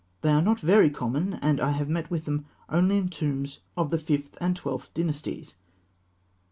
They are not very common, and I have met with them only in tombs of the Fifth and Twelfth Dynasties.